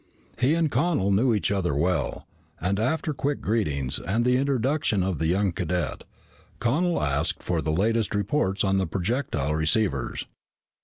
He and Connel knew each other well, and after quick greetings and the introduction of the young cadet, Connel asked for the latest reports on the projectile receivers.